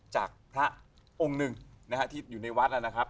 จากพระองค์หนึ่งนะฮะที่อยู่ในวัดนะครับ